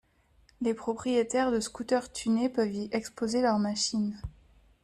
Les propriétaires de scooter tunés peuvent y exposer leurs machines.